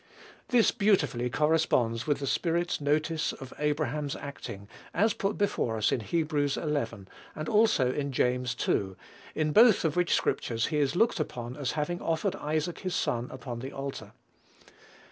This beautifully corresponds with the Spirit's notice of Abraham's acting, as put before us in Heb. xi. and also in James ii., in both of which scriptures he is looked upon as having offered Isaac his son upon the altar.